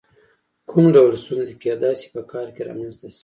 کوم ډول ستونزې کېدای شي په کار کې رامنځته شي؟